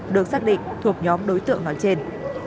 được xác định thuộc nhóm đối tượng nói trên